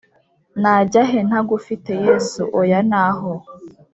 Najyahe ntagufite yesu oya ntaho